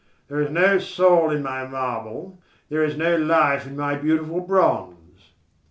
There is no soul in my marble, there is no life in my beautiful bronze."